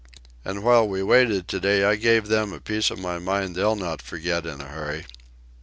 And while we waited to day I gave them a piece of my mind they'll not forget in a hurry."